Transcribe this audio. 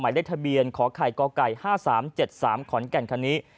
ใหม่ได้ทะเบียนขไข่กไก่๕๓๗๓ขอนแก่นคันนี้